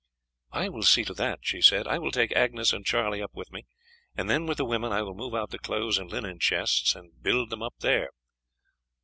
"I will see to that," she said. "I will take Agnes and Charlie up with me, and then, with the women, I will move out the clothes' and linen chests and build them up there."